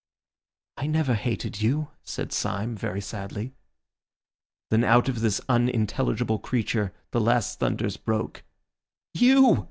"I never hated you," said Syme very sadly. Then out of this unintelligible creature the last thunders broke. "You!"